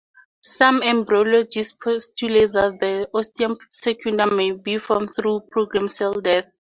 Some embryologists postulate that the ostium secundum may be formed through programmed cell death.